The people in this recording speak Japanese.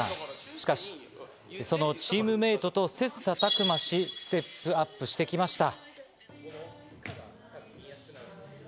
しかしそのチームメートと切磋琢磨し、ステップアップしてきました。